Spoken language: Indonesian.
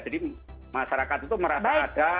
jadi masyarakat itu merasa ada